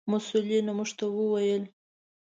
مسؤلینو موږ ته و ویل: